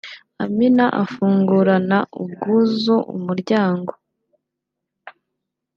Amina afungurana ubwuzu umuryango